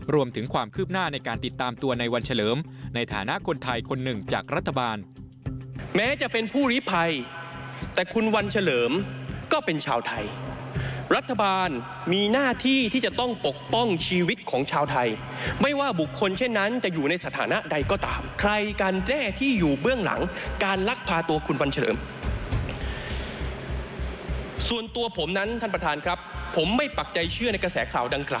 รวมถึงความคืบหน้าในการติดตามตัวนายวัญเฉลิมในฐานะคนไทยคนหนึ่งจากรัฐบาล